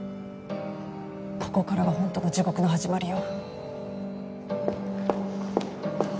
ここからがホントの地獄の始まりよ。